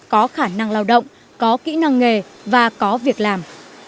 có khả năng lao động có kỹ năng nghề và có việc làm